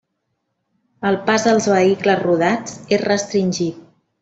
El pas als vehicles rodats és restringit.